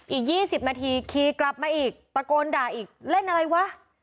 อีก๒๐นาทีขี่กลับมาอีกตะโกนด่าอีกเล่นอะไรวะ